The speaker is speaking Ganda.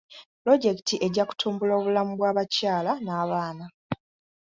Pulojekiti ejja kutumbula obulamu bw'abakyala n'abaana.